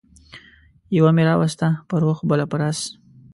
يوه مې راوسته پر اوښ بله پر اس